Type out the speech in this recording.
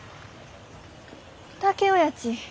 竹雄やち